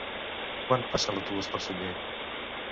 Quan passa l'autobús per Sunyer?